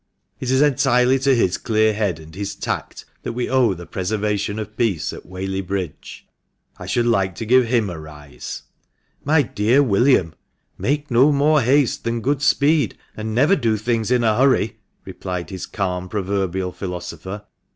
It is entirely to his clear head 240 THE MANCHESTER MAN. and his tact that we owe the preservation of peace at Whaley Bridge. I should like to give him a rise." " My dear William, make no more haste than good speed, and never do things in a hurry," replied his calm proverbial philosopher.